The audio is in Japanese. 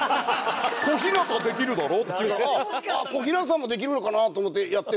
「小日向できるだろ？」って言うから小日向さんもできるのかな？と思ってやって。